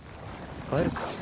帰るか。